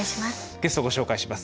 ゲストをご紹介します。